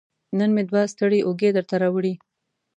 نن مې دوه ستړې اوږې درته راوړي